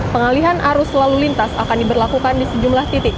pengalihan arus lalu lintas akan diberlakukan di sejumlah titik